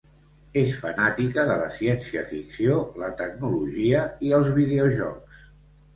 És fanàtica de la ciència-ficció, la tecnologia i els videojocs.